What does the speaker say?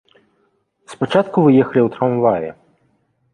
Спачатку вы ехалі ў трамваі.